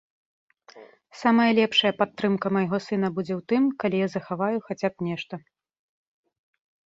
Самая лепшая падтрымка майго сына будзе ў тым, калі я захаваю хаця б нешта.